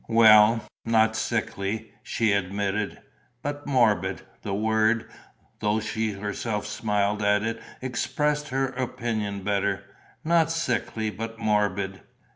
Well, not sickly, she admitted ... but morbid: the word, though she herself smiled at it expressed her opinion better; not sickly, but morbid.